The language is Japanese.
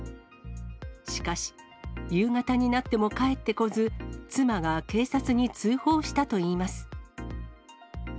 しかし、夕方になっても帰ってこず、妻が警察に通報したといいます。